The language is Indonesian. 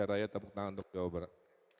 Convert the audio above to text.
raya tepuk tangan untuk jawa barat